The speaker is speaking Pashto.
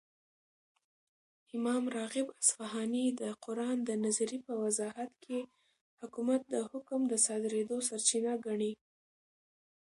،امام راغب اصفهاني دقران دنظري په وضاحت كې حكومت دحكم دصادريدو سرچينه ګڼي